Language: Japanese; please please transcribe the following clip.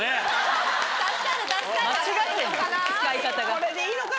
これでいいのかな？